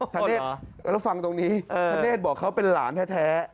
ธเนธแล้วฟังตรงนี้ธเนธบอกเขาเป็นหลานแท้